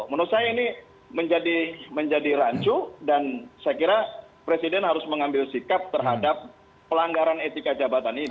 menurut saya ini menjadi rancu dan saya kira presiden harus mengambil sikap terhadap pelanggaran etika jabatan ini